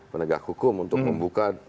penegak hukum untuk membuka